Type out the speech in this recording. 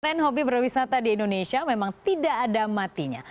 tren hobi berwisata di indonesia memang tidak ada matinya